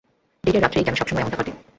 Date এর রাত্রেই কেন সবসময় এমনটা ঘটে?